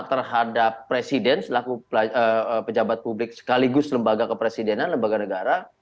terhadap presiden selaku pejabat publik sekaligus lembaga kepresidenan lembaga negara